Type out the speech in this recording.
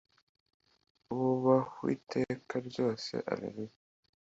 bubahw'iteka ryose alleluia